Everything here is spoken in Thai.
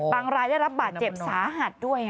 รายได้รับบาดเจ็บสาหัสด้วย